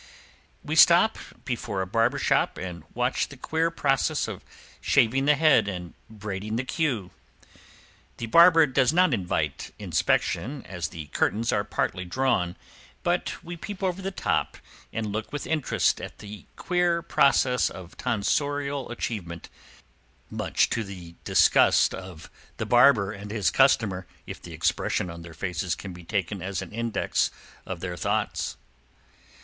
We stop before a barber shop and watch the queer process of shaving the head and braiding the queue. The barber does not invite inspection, as the curtains are partly drawn, but we peep over the top and look with interest at the queer process of tonsorial achievement, much to the disgust of the barber and his customer, if the expression on their faces can be taken as an index of their thoughts.